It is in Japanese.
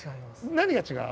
何が違う？